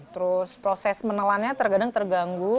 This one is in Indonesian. terus proses menelannya terkadang terganggu